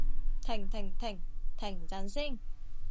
停停停！停陣先